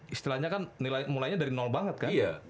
istilahnya kan mulainya dari nol banget kan